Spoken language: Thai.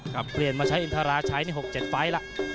กลับเปลี่ยนมาใช้อินทราชัย๖๗ไฟล์ล่ะ